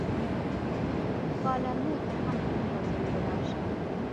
پالرمو ته هم یو ځلي ولاړ شه.